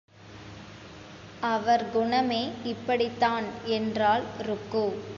அவர் குணமே இப்படித்தான் என்றாள் ருக்கு.